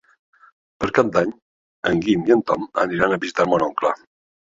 Per Cap d'Any en Guim i en Tom aniran a visitar mon oncle.